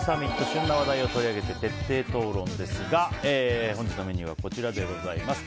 旬な話題を取り上げて徹底討論ですが本日のメニューはこちらです。